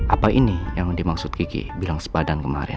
apa ini yang dimaksud kiki bilang sepadan kemarin